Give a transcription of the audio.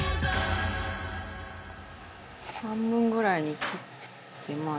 半分ぐらいに切ってまあ